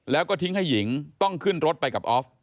แล้วก็ทิ้งให้หญิงต้องขึ้นรถไปกับออฟ